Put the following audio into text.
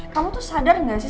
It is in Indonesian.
kamu tuh sadar gak sih